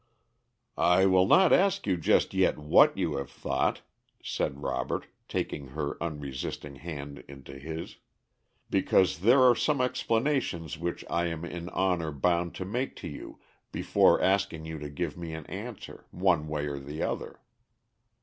"I will not ask you just yet what you have thought," said Robert, taking her unresisting hand into his, "because there are some explanations which I am in honor bound to make to you before asking you to give me an answer, one way or the other.